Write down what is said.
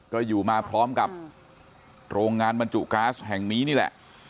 ก็อยู่มาพร้อมกับโรงงานบรรจุก๊าซแห่งนี้นี่แหละ